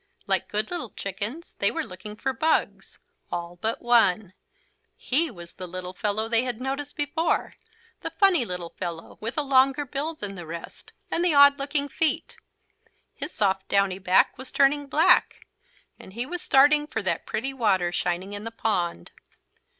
Like good little chickens they were looking for bugs, all but one. He was the little fellow they had noticed before, the funny little fellow with a longer bill than the rest, and the odd looking feet. His soft downy back was turning black. And he was starting for that pretty water shining in the pond.